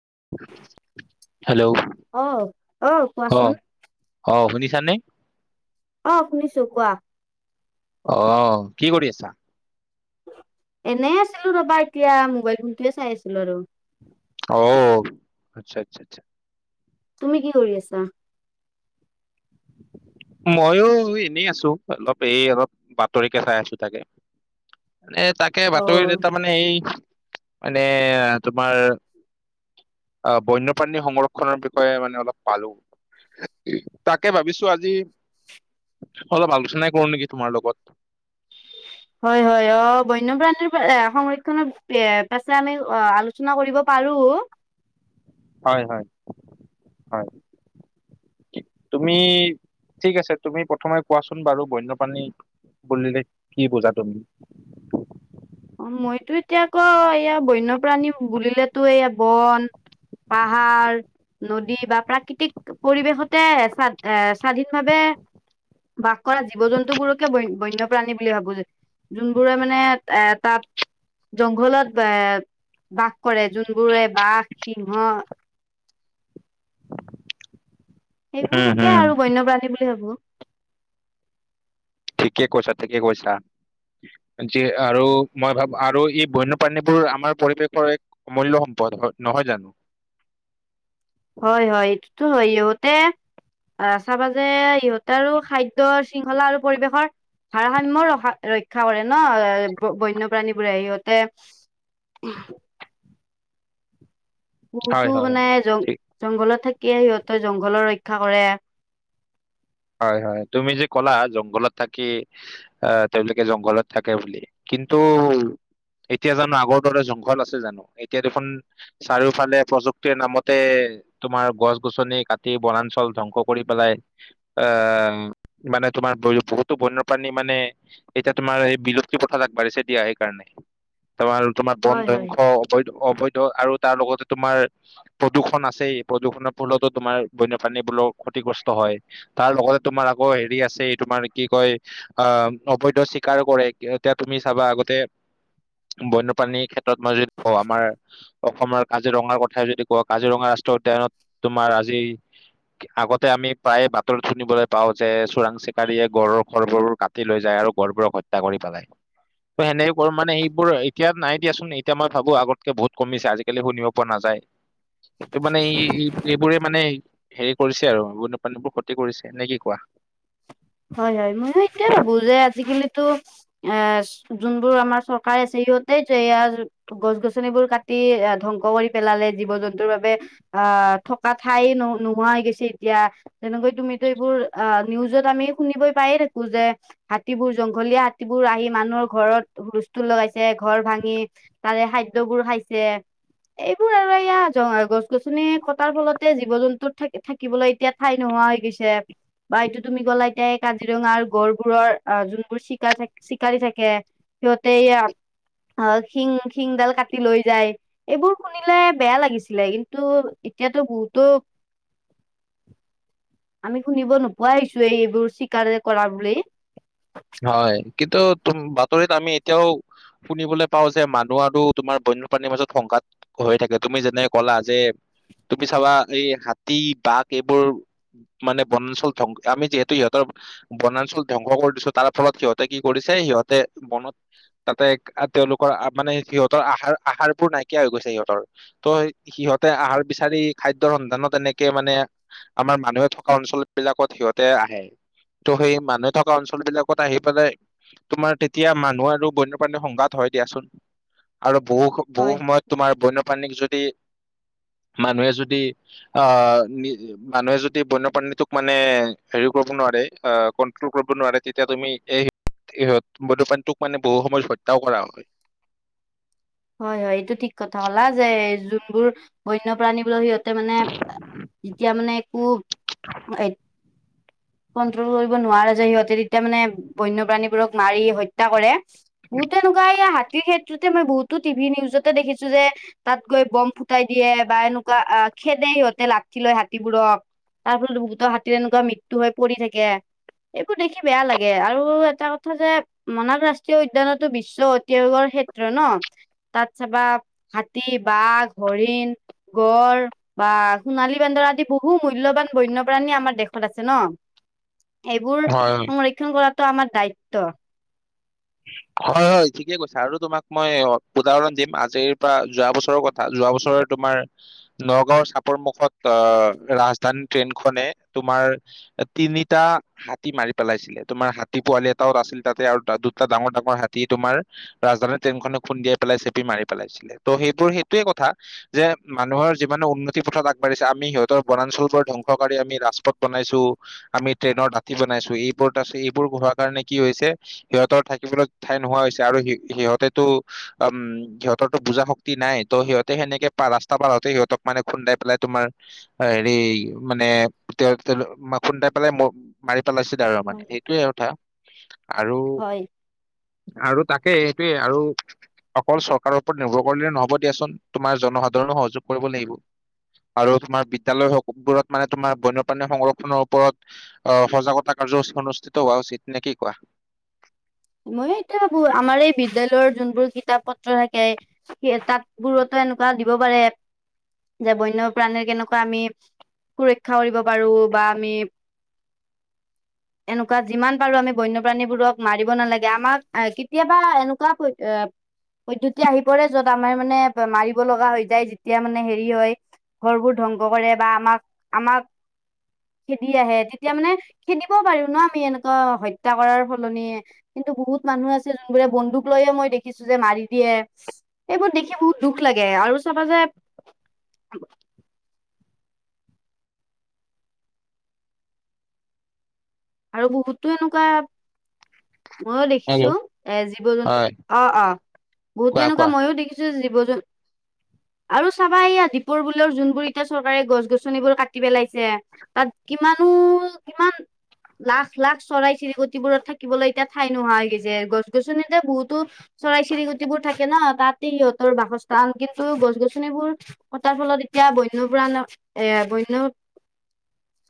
[unintelligible] Hello অহ অহ অ কোৱাচোন অ শুনিছা নে অ শুনিছো কোৱা অহ কি কৰি আছা এনেই আছিলো ৰবা এতিয়া মোবাইল চাই আছিলো আৰু অহ আচ্ছা আচ্ছা আচ্ছা তুমি কি কৰি আছা [unintelligible] ময়ো এনেই আছো অলপ এই অলপ বাতৰিকে চাই আছো তাকে এ তাকে অ বাতৰিত এটা মানে এই মানে তোমাৰ অহ বন্যপ্ৰাণী সংৰক্ষনৰৰ বিষয়ে মানে অলপ পালো তাকে ভাবিছো আজি অলপ আলোচনাই কৰো নেকি তোমাৰ লগত হয় হয় অ বন্যপ্ৰাণীৰ এ সংৰক্ষণৰ পাছে আমি অ আলোচনা কৰিব পাৰ পাৰোঁ হয় হয় হয় তুমি ঠিক আছে তুমি প্ৰথমে কোৱাচোন বাৰু বন্যপ্ৰাণী বুলিলে কি বুজা তুমি অ মইতো এতিয়া আকৌ এইয়া বন্যপ্ৰাণী বুলিলেতো এয়া বন পাহাৰ নদী বা প্ৰাকৃতিক পৰিৱেশতে স্বাধীন ভাৱে বাস কৰা জীৱ জন্তুবোৰকে বন বন্যপ্ৰাণী বুলি ভাবো যে যোনবোৰে মানে এ তাত জংঘলত এ বাস কৰে যোনবোৰে বাঘ সিংহ হম সেইবোৰকে হম আৰু বন্যপ্ৰাণী বুলি ভাবো ঠিকে কৈছা ঠিকে কৈছা যি আৰু মই ভাবো আৰু এই বন্যপ্ৰাণীবোৰ আমাৰ পৰিৱেশৰ এক অমূল্য সম্পদ নহয় জানো হয় হয় এইটো টো হয়ে আহ চাবা যে ইহঁতে আৰু খাদ্য শৃংখলা আৰু পৰিৱেশৰ ভাৰসাম্য ৰা ৰক্ষা কৰে ন বন্যপ্ৰাণীবোৰে সিহঁতে [unintelligible] বহুতো হয় হয় মানে হয়। জং ঠিক জংঘলত থাকিয়ে সিহঁতৰ জংঘলৰ ৰক্ষা ৰক্ষা কৰে হয় হয় তুমি যে কলা জংঘলত থাকি অহ তেওঁলোকে জংঘলত থাকে বুলি কিন্তু এতিয়া জানো আগৰ দৰে জংঘল আছে জানো এতিয়া দেখোন চাৰিওফালে প্ৰযুক্তিৰ নামতে তোমাৰ গছ গছনি কাটি বনাঞ্চল ধ্বংস কৰি পেলাই আহ মানে তোমাৰ বহুতো বন্যপ্ৰাণী মানে এতিয়া তোমাৰ এই বিলুপ্তি পথত আগবাঢ়িছে দিয়া সেইকাৰণে তাৰ তোমাৰ বন হয় হয় ধ্বংস অবৈধ আৰু তাৰ লগতে তোমাৰ প্ৰদূষণ আছেই প্ৰদূষণৰ ফলতো তোমাৰ বন্যপ্ৰাণী বোলো ক্ষতিগ্ৰস্ত হয় তাৰ লগতে তোমাৰ আকৌ হেৰি আছে তোমাৰ কি কয় আহ অবৈধ স্বীকাৰ কৰে এতিয়া তুমি চাবা আগতে বন্যপ্ৰাণীৰ ক্ষেত্ৰত মই যদি কওঁ আমাৰ অসমৰ কাজিৰঙাৰ কথাই যদি কোৱা কাজিৰঙা আ উদ্যয়নত তোমাৰ আজি আগতে আমি। প্ৰায়ে বাতৰি শুনিবলৈ পাও যে চোৰাং চিকাৰীয়ে গড়ৰ খৰবোৰ কাটি লৈ যায় আৰু গড়বোৰক হত্যা কৰি [unintelligible] ত, হেনেকে কৰো মানে এইবোৰ এতিয়া নাই দিয়াচোন এতিয়া মই ভাবো আগতকে বহুত কমিছে আজিকালি শুনিব পৰা নাযায়। কিন্তুটো মানে এই এইবোৰে মানে হেৰি কৰিছে আৰু। পানীবোৰ ক্ষতি কৰিছে নে কি কোৱা? হয় - হয় ময় এতিয়া ভাবো যে আজিকালিতো এ যোনবোৰ আমাৰ চৰকাৰ আছে। সিহতে এয়া গছ গছনিবোৰ কাটি ধ্বংস কৰি পেলালে জীৱ জন্তুৰ বাবে অ, থকা ঠাই ন নোহোৱা হৈ গৈছে এতিয়া তেনেকৈ তুমিতো এইবোৰ অ, নিউজত আমি শুনিবই পায়ে থাকো যে হাতী বোৰ জংঘলীয়া হাতীবোৰ আহি মানুহৰ ঘৰত হুলস্থুল লগাইছে। ঘৰ ভাঙি তাৰে খাদ্যবোৰ খাইছে। এইবোৰ আৰু এয়া গছ গছনি কটাৰ ফলতে জীৱ জন্তু থ থাকিবলৈ এতিয়া ঠাই নহয়। হৈ গৈছে বাই এইটো তুমি গ'লা। এতিয়া এই কাজিৰঙাৰ গড়বোৰৰ আহ যোনবোৰ চিকাৰ থাকে চিকাৰি থাকে। সিহঁতে এইয়া অ শিং শিংডাল কাটি লৈ যায় এইবোৰ শুনিলে বেয়া লাগিছিলে কিন্তু। এতিয়াতো বহুতো [inaudible] আমি শুনিব নোপোৱাইছোৱে এইবোৰ চীকাৰ কৰা বুলি। হয় কিন্তু তুম বাতৰিত আমি এতিয়াও শুনিবলৈ পাও যে মানুহ আৰু তোমাৰ প্ৰণীৰ মাজত সংকাত হৈ থাকে তুমি যেনে ক'লা যে তু পি চাবা এই হাতী বাঘ এইবোৰ মানে বনাঞ্চল ধং আমি যিহেতু সিহতৰ বনাঞ্চল ধ্বংস কৰি দিছো। তাৰ ফলত সিহতে কি কৰিছে সিহতে মনত তাতে তেওলোকৰ মানে সিহতৰ আহাৰ আহাৰবোৰ নাইকিয়া হৈ গৈছে সিহতৰ ত' সিহতে আহাৰ বিচাৰি খাদ্যয়ৰ সন্ধানত এনেকে মানে আমাৰ মানুহে থকা অঞ্চল বিলাকত সিহতে আহে ত সেই মানুহে থকা অঞ্চল বিলাক আহি পেলাই তোমাৰ তেতিয়া মানুহ আৰু বন্যপ্ৰাণীৰ সংঘাত হয় দিয়াচোন। আৰু বহু - বহু হয় সময়ত তোমাৰ বন্যপ্ৰাণীক যদি মানুহে যদি আহ, মানুহে যদি বন্যপ্ৰাণীটোক মানে হেৰি কৰিব নোৱাৰে কন্ট্ৰল কৰিব নোৱাৰে তেতিয়া এতিয়া তুমি ইহত বন্যপ্ৰাণীটোক মানে বহু সময় হত্যাও কৰা হয়। হয় - হয় এইটো ঠিক কথা কলা যে যোনবোৰ বন্যপ্ৰাণী বো সিহত মানে যেতিয়া মানে একো। কন্ট্ৰল কৰিব নোৱাৰে যে সিহতে তেতিয়া মানে বন্যপ্ৰাণীবোৰক মাৰি হত্যা কৰে। বহুতে এনেকুৱা স ক্ষেত্ৰতে মই বহুতো টিভি নিউজতে দেখিছো যে তাত গৈ বম ফুটাই দিয়ে বা এনেকুৱা খেদে সিহতে লাঠি লয় হাতীবোৰক তাৰপিছত বুতৰ হাতীৰে এনেকুৱা ম মৃত্যু হয় পৰি থাকে। এইবোৰ দেখি বেয়া লাগে আৰু এটা কথা যে মনাক ৰাষ্ট্ৰীয় উদ্যানতো বিশ্ব ঐতি আয়োগৰ ক্ষেত্ৰ ন তাত চাবা হাতী বাঘ হৰিণ গড় বা সোণালী বান্দৰ আদি বহু মূল্যবান বন্যপ্ৰাণী আমাৰ দেশত আছে। ন এইবোৰ হয় সংৰক্ষণ কৰাটো আমাৰ দায়িত্ব। উম হয় - হয় ঠিকে কৈছে আৰু তোমাক মই উদাহৰণ দিম আজিৰ পৰা যোৱা বছৰৰ কথা যোৱা বছৰৰ তোমাৰ নগাওৰ চাপৰ মুখত আহ ৰাজধানী ট্ৰেইনখনে তোমাৰ তিনিটা হাতী মাৰি পেলাইছিলে তোমাৰ হাতী পোৱালি এটাওত আছিল তাতে আৰু এটা ডাঙৰ - ডাঙৰ হাতী তোমাৰ ৰাজধানী ট্ৰেইনখনে খুন্দিয়াই পেলাই চেপি মাৰি পেলাইছিলে ত সেইবোৰ সেইটোৱে কথা। যে মানুহৰ যিমানে উন্নতি পথত আগবাঢ়িছে আমি সিহতৰ বনাঞ্চল বোৰ ধ্বংসকাৰী আমি ৰাজপথ বনাইছো আমি ট্ৰেইনৰ দাতি বনাইছো এইবোৰত আ এইবোৰ হোৱা কাৰণে কি হৈছে সিহতৰ থাকিবলৈ ঠাই নোহোৱা হৈছে আৰু সিহতেতো উম সিহতৰো বুজা শক্তি নাই ত সিহত তে সেনেকে ৰাস্তা পাৰতে সিহতক মানে খুন্দাই পেলাই তোমাৰ হেৰি মানে খুন্দাই পেলাই মাৰি পেলাইছিল আৰু মানে হয়, এইটোয়ে কথা আৰু। হয়। আৰু তাকেই সেইটোৱে আৰু অকল চৰকাৰৰ ওপৰত নিৰ্ভৰ কৰিলেে নহব দিয়াচোন তোমাৰ জনসাধাৰণো সহযোগ কৰিব লাগিব। আৰু তোমাৰ বিদ্য়ালয়বোৰত মানে তোমাৰ বন্যপ্ৰানণীৰ সংৰক্ষনৰৰ ওপৰত আহ সজাগতা কাৰ্য্য অনুষ্ঠিত হোৱা উচিত নে কি কোৱা? মই এইটো ভাবো আমাৰ এই বিদ্যালৈ যোনবোৰ কিতাপ পত্ৰ থাকে তাত বোৰত এনেকুৱা দিব পাৰে যে বন্য প্ৰাণী কেনেকুৱা আমি সুৰক্ষা কৰিব পাৰো বা আমি এনেকুৱা যিমান পাৰো আমি বন্যপ্ৰাণীবোৰক মাৰিব নালাগে আমাক কেতিয়াবা এনেকুৱা পদ্ধতি আহি পৰে যত আমাৰ মানে মাৰিব লগা হৈ যায় যেতিয়া মানে হেৰি হয় ঘৰবোৰ ধ্বংস কৰে বা আমাক - আমাক খেদি আহে তেতিয়া মানে খেদিব পাৰো ন আমি এনেকুৱা হত্যা কৰাৰ সলনি কিন্তু বহুত মানুহ আছিল যোনবোৰে বন্দুক লৈয়ে মই দেখিছো যে মাৰি দিয়ে। এইবোৰ দেখি বহুত দুখ লাগে আৰু চাবা যে [unintelligible] আৰু বহুতো এনেকুৱা মইও দেখিছো হেল্ল' এ জীৱ জন্তু হয় অ অ বহুতো কোৱা এনেকুৱা কোৱা ময়ো দেখিছো জীৱ জন আৰু চাবা এইয়া দীপৰ বোলৰ যোনবোৰ এতিয়া চৰকাৰে গছ গছনিবোৰ কাটি পেলাইছে তাত কিমানো কিমান লাখ লাখ চৰাই চিৰিকটিবোৰত থাকিবলৈ এতিয়া ঠাই নোহোৱা হৈ গৈ যে গছ গছনিতে বহুতো চ চৰাই চিৰিকুটিবোৰ থাকে ন তাই সিহঁতৰ বাসস্থান। কিন্তু গছ গছনিবোৰ কটাৰ ফলত এতিয়া বন্যপুৰাণৰ এ বন্য [unintelligible]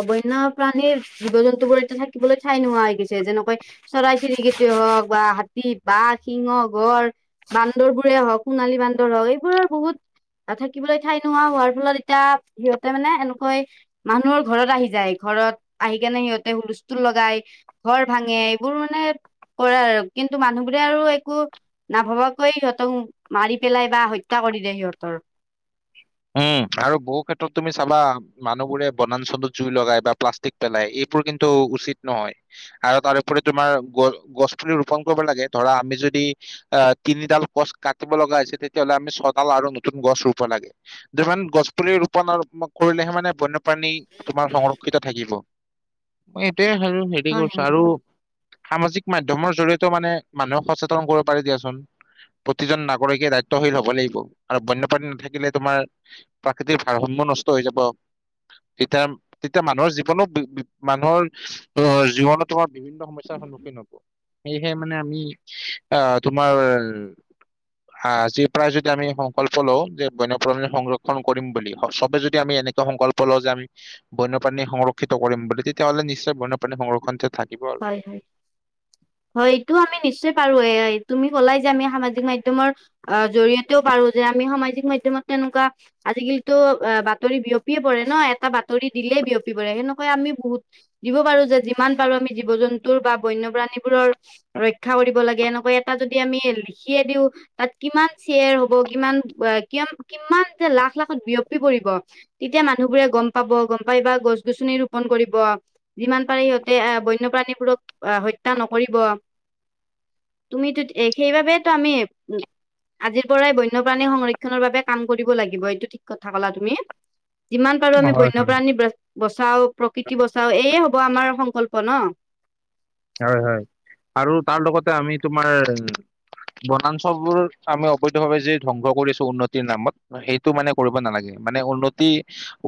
অ বন্য প্ৰাণীৰ জীৱ জন্তু বোৰে থাকিবলৈ ঠাই নোহোৱা হৈ গৈছে যেনেকৈ চৰাই চিৰিকিটি হওক বা হাতী, বাঘ, সিংহ হওক ৰ বান্দৰ বোৰে হওক সোণালী বান্দৰ হওক এইবোৰৰ বহুত থাকিবলৈ ঠাই নোহোৱা হোৱাৰ ফলত এতিয়া সিহঁতে মানে এনেকৈ মানুহৰ ঘৰত আহি যায় এইখন ঘৰত আহি কেনে সিহঁতে হুলস্থুল লগাই ঘৰ ভাঙে এইবোৰ মানে কৰা আৰু কিন্তু মানুহবোৰে আৰু একো নাভবাকৈ সিহঁতক মাৰি পেলাই বা হত্যা কৰি দ সিহঁতৰ [unintelligible] উম আৰু বহু ক্ষেত্ৰত তুমি চাবা মানুহবোৰে বনাঞ্চনত জুই লগাই বা প্লাষ্টিক পেলাই এইবোৰ কিন্তু উচিত নহয়। আৰু তাৰপৰি তোমাৰ গছ গছুলি ৰোপন কৰিব লাগে ধৰা আমি য যদি অ তিনিডাল গছ কাটিব লগা হৈছে তেতিয়াহলে আমি ছডাল আৰু নতুন গছ ৰুব লাগে। যিমান গছ পুলি ৰোপন কৰিলেহে মানে বন্যপ্ৰাণী তোমাৰ সংৰক্ষিত থাকিব। মই এইটোৱে আৰু হেৰি হয় কৰিছো হয় আৰু সামাজিক মাধ্যমৰ জৰিয়তেও মানে মানুহক সচেতন কৰিব পাৰে দিয়াচোন। প্ৰতিজন নাগৰিকে দায়িত্বশীল হব লাগিব আৰু বন্যপ্ৰাণী নাথাকিলে তোমাৰ প্ৰাকৃতিৰ ভাৰসাম্য নষ্ট হৈ যাব। তেতিয়া তেতিয়া মানুহৰ জীৱনো মানুহৰ অ জীৱনো তোমাৰ বিভিন্ন সমস্যাৰ সন্মুখীন হব সেয়েহে মানে আমি আহ তোমাৰ আ যি প্ৰায় যদি আমি সংকল্প লওঁ যে ব সংৰক্ষণ কৰিম বুলি চবে যদি আমি এনেকুৱা সংকল্প লওঁ যে আমি বন্যপ্ৰাণী সংৰক্ষিত কৰিম। বুলি তেতিয়াহ'লে নিশ্চয় বন্যপ্ৰাণী সংৰক্ষণ থাকিব আৰু হয় হয় হয় এইটো আমি নিশ্চয় পাৰো এই তুমি কলাই যে আমি সামাজিক মাধ্যমৰ অ জৰিয়তেও পাৰো যে আমি সামাজিক মাধ্যমৰ তেনেকুৱা আজিকালিতো অ বাতৰি বিয়পিয়ে পৰে ন এটা বাতৰি দিলেই বিয়পি পৰে সেনেকুৱাই আমি বহুত দিব পাৰো যে যিমান পাৰো আমি জীৱ জন্তুৰ বা বন্যপ্ৰাণীবোৰৰ ৰক্ষা কৰিব লাগে এনেকুৱা এটা যদি আমি লিখিয়ে দিওঁ। তাত কিমান শ্বেয়াৰ হব কিমান কিমান যে লাখ লাখত বিয়পি পৰিব। এতিয়া মানুহবোৰে গম পাব গম পাই বা গছ গছনি ৰোপন কৰিব যিমান পাৰে সিহঁতে ব বণ্যপ্ৰাণীবোৰক আ হত্যা নকৰিব। তুমিটো সেইবাবে ত আমি আজিৰ পৰাই বন্যপ্ৰাণীৰ সংৰক্ষনৰৰ বাবে কাম কৰিব লাগিব এইটো ঠিক কথা কলা তুমি যিমান পাৰো আমি হয় হয় বন্যপ্ৰাণী বচাও প্ৰকৃতি বচাও এইয়ে হব আমাৰ সংকল্প ন হয় হয় আৰু তাৰ লগতে আমি তোমাৰ বনাঞ্চল বোৰ আমি অবৈধ ভাৱে যি ধ্বংস কৰিছো উন্নতিৰ নামত সেইটো মানে কৰিব নালাগে মানে উন্নতি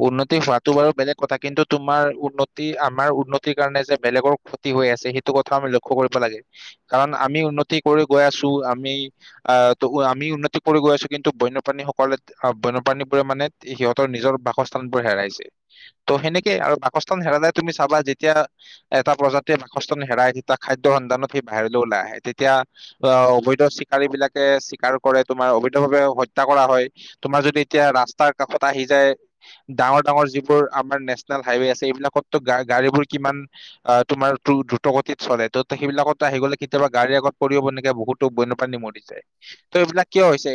উন্নতি হোৱাটো বাৰু বেলেগ কথা কিন্তু তোমাৰ উন্নতি আমাৰ উন্নতিৰ কাৰণে যে বেলেগৰ ক্ষতি হৈ আছে হে। আমি লক্ষ্য কৰিব লাগে কাৰণ আমি উন্নতি কৰি গৈ আছো আমি আ আমি আমি উন্নতি কৰি গৈ আছো কিন্তু বন্যপাণীসকলে বনপ্ৰাণীবোৰে মানে সিহঁৰ নিজৰ বাসস্থানবোৰ হেৰাই ত সেনেকে আৰু বাসস্থান হেৰালে তুমি চাবা যেতিয়া এটা প্ৰজাতি বাস। হেৰাই তেতিয়া খাদ্য সন্ধানত সি বাহিৰলৈ ওলাই আহে তেতিয়া আহে অবৈধ চিকাৰী বিলাকে অবধ্যভাৱে হত্যা কৰা হয় তোমাৰ যদি এতিয়া ৰাস্তাৰ কাষত আহি যায় ডাঙৰ ডাঙৰ যিবোৰ আমাৰ নেচনেল হাইৱে আছে এইবিলাকতো গাড়ী বোৰ কিমান তোমাৰ প্ৰগতিত চলে ত সেইবিলাকতো আহি গ'লে কেতিয়াবা গাড়ীৰ আগত পৰিব নেকি বহুতো বন্যপ্ৰাণী মৰি যায়। বিলাক কিয় হৈছে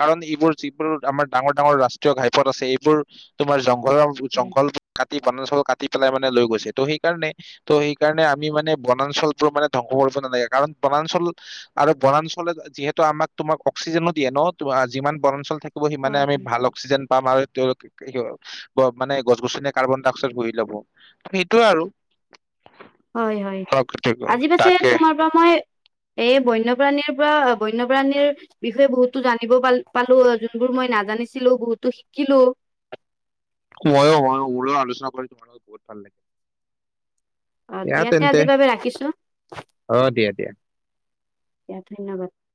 কাৰণ এইবোৰ যিবোৰ আমাৰ ডাঙৰ ডাঙৰ ৰাষ্ট্ৰীয় ঘাইপথ আছে এইবোৰ তোমাৰ জঙ হয় জংঘল কাটি বনাঞ্চল কাটি পেলাই মানে লৈ গৈছে আমি মানে বনাঞ্চলবোৰ মানে ধ্বংস কৰিব নালাগে কাৰণ বনাঞ্চল আৰু বনাঞ্চলে যিহেতু আমাক তোমাক অক্সিজেনো দিয়ে ন যিমান বৰঞ্চল থাকিব সিমানে হয় আমি হয় ভাল অক্সিজেন পাম আৰু তেওঁলোকে কি মানে গছ গছনি কাৰ্বন ডাই অক্সাইড হুহি লব সেইটোয়ে আৰু হয় হয় অলপ পাৰ্থক্য। আজি পাছে তাকে তোমাৰ পৰা মই এ বন্যপ্ৰাণীৰ পৰা বন্যপ্ৰাণীৰ বিষয়ে বহুতো জানিব পাল পালো যোনবোৰ মই নাজানিছিলো বহুতো শিকিলো মইও মইও মোৰ আলোচনা কৰি তোমাৰ লগত বহুত ভাল লাগে। অ তিয়াতে আজিৰ বাবে ৰাখিছো। দিয়া ধন্যবাদ